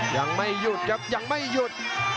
ยังไม่หยุดครับยังไม่หยุด